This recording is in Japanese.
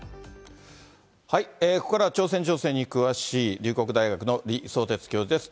ここからは朝鮮情勢に詳しい、龍谷大学の李相哲教授です。